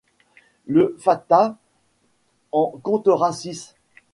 Le Fatah en comptera six.